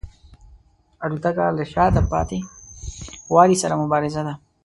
الوتکه له شاته پاتې والي سره مبارزه ده.